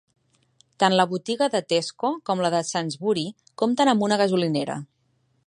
Tant la botiga de Tesco com la de Sainsbury compten amb una gasolinera.